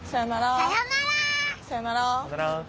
さようなら。